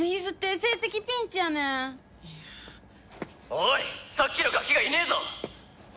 「おいさっきのガキがいねえぞ！」